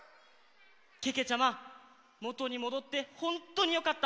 けけちゃまもとにもどってほんとによかった。